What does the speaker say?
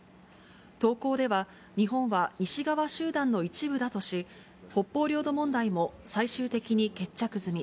投稿では、日本は西側集団の一部だとし、北方領土問題も最終的に決着済み。